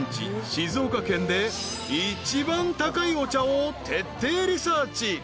静岡県で一番高いお茶を徹底リサーチ］